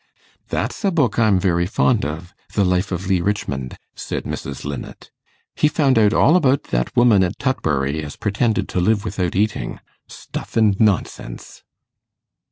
'That's a book I'm very fond of the "Life of Legh Richmond,"' said Mrs. Linnet. 'He found out all about that woman at Tutbury as pretended to live without eating. Stuff and nonsense!